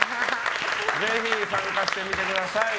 ぜひ参加してみてください！